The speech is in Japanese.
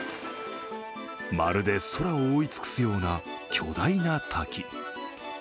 まるで空を覆い尽くすような巨大な滝。